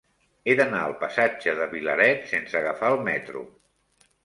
He d'anar al passatge de Vilaret sense agafar el metro.